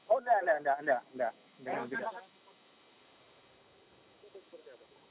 oh enggak enggak enggak